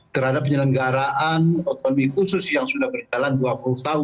terhadap penyelenggaraan otonomi khusus yang sudah berjalan dua puluh tahun